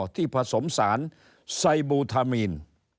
ผสมสารไซบูทามีน